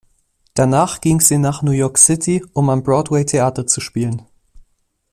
Danach ging sie nach New York City, um am Broadway Theater zu spielen.